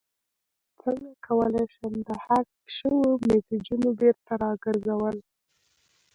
څنګه کولی شم د حذف شویو میسجونو بیرته راګرځول